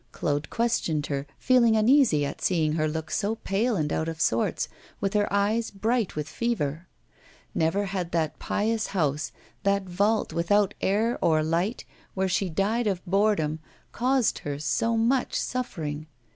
Claude questioned her, feeling uneasy at seeing her look so pale and out of sorts, with her eyes bright with fever. Never had that pious house, that vault, without air or light, where she died of boredom, caused her so much suffering.